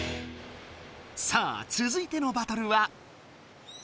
さあつづいてのバトルは。